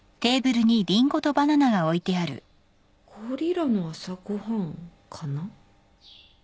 ゴリラの朝ご飯かな？